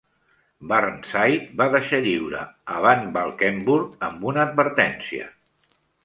Burnside va deixar lliure a VanValkenburgh amb una advertència